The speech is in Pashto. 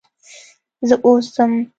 زه اوس ځم.